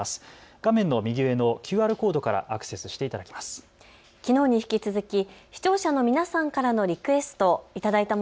画面の右上のＱＲコードからアクセスしていただけます。